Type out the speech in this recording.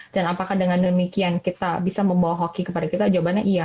dan apakah dengan demikian kita bisa membawa hoki kepada kita jawabannya iya